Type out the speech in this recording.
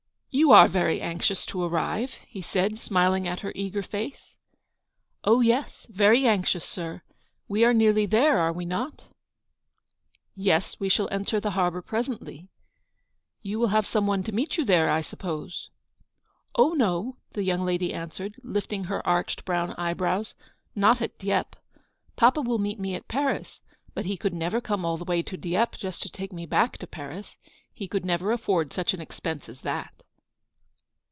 "You are very anxious to arrive," he said, smiling at her eager face. "Oh, yes, very anxious, sir. We are nearly there, are we not ?" "Yes, we shall enter the harbour presently. You will have some one to meet you there, I suppose ?"" Oh, no," the young lady answered, lifting her arched brown eyebrows, "not at Dieppe. Papa will meet me at Paris ; but he could never come all the way to Dieppe, just to take me back to Paris. He could never afford such an expense as that."